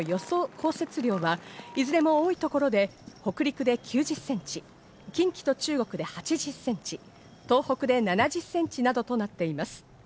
降雪量は、いずれも多い所で北陸で９０ｃｍ、近畿と中国で８０ｃｍ、東北で７０ｃｍなどとなっています。